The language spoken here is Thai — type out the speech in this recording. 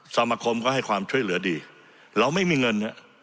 สมคมก็ให้ความช่วยเหลือดีเราไม่มีเงินฮะ